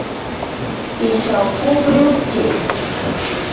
Ishaw jukriwktxi